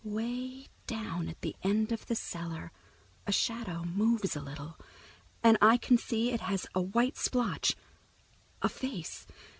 Way down at the end of the cellar a shadow moves a little, and I can see it has a white splotch—a face.